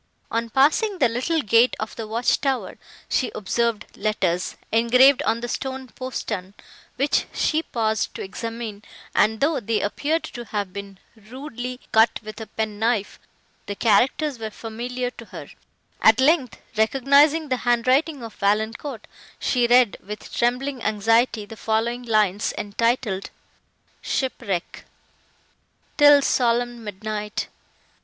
On passing the little gate of the watch tower, she observed letters, engraved on the stone postern, which she paused to examine, and, though they appeared to have been rudely cut with a pen knife, the characters were familiar to her; at length, recognising the hand writing of Valancourt, she read, with trembling anxiety the following lines, entitled SHIPWRECK 'Til solemn midnight!